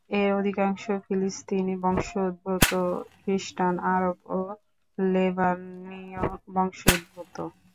এর অধিকাংশই ফিলিস্তিনী বংশোদ্ভূত খ্রিস্টান আরব ও লেবাননীয় বংশোদ্ভূত।